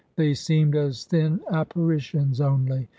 They seemed as thin apparitions only.